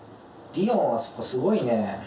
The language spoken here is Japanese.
リオンはそこすごいね。